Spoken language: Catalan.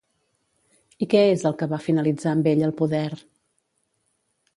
I què és el que va finalitzar amb ell al poder?